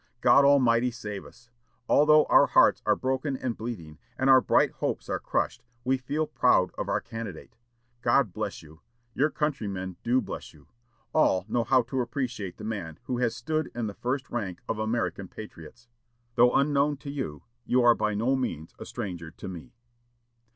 God Almighty save us! Although our hearts are broken and bleeding, and our bright hopes are crushed, we feel proud of our candidate. God bless you! Your countrymen do bless you. All know how to appreciate the man who has stood in the first rank of American patriots. Though unknown to you, you are by no means a stranger to me."